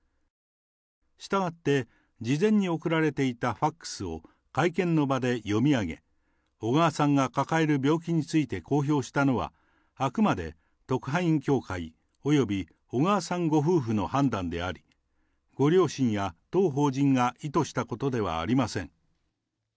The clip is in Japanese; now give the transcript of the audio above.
したがって、事前に送られていたファックスを会見の場で読み上げ、小川さんが抱える病気について公表したのは、あくまで特派員協会および小川さんご夫婦の判断であり、ご両親や当法人が意図したことではありません。